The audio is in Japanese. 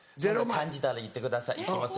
感じたら言ってくださいいきます